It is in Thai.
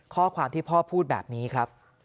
ข้อความที่พ่อพูดแบบนี้ครับ